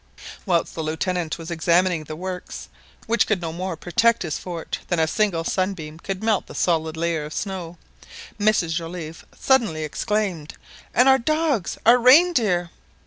Whilst the Lieutenant was examining the works, which could no more protect his fort than a single sunbeam could melt the solid layer of snow, Mrs Joliffe suddenly exclaimed: "And our dogs! our reindeer!"